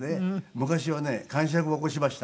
昔はねかんしゃくを起こしました。